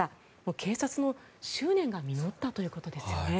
警察の執念が実ったということですね。